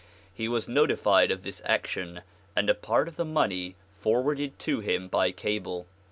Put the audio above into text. He was notified of this action and a part of the money forwarded to him by cable.